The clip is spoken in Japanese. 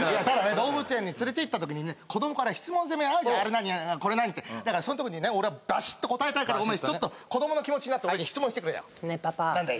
動物園に連れていった時にね子供から質問攻め合うじゃんあれ何これ何ってだからその時にね俺はバシッと答えたいからお前ちょっと子供の気持ちになって俺に質問してくれよねえパパ何だい？